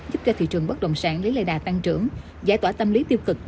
giúp cho thị trường bất động sản lấy lệ đà tăng trưởng giải tỏa tâm lý tiêu cực